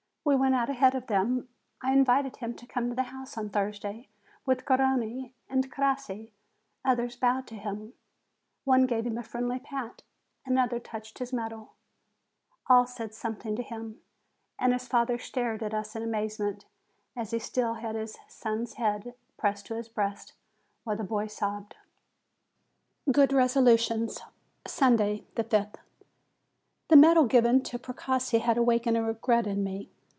We went out ahead of them. I invited him to come to the house on Thursday, with Garrone and Crossi ; others bowed to him ; one gave him a friendly pat, another touched his medal, all said something to him; and his father stared at us in amazement, as he still held his son's head pressed to his breast, while the boy sobbed. GOOD RESOLUTIONS Sunday, 5th. The medal given to Precossi has awakened a regret in me.